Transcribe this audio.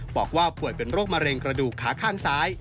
ป่วยเป็นโรคมะเร็งกระดูกขาข้างซ้าย